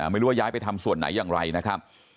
ไม่รู้ว่าย้ายไปทำส่วนไหนอย่างไรนะครับ